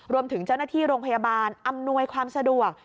รวมถึงเจ้าหน้าที่โรงพยาบาลอำนวยความสะดวก